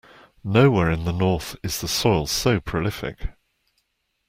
Nowhere in the North is the soil so prolific.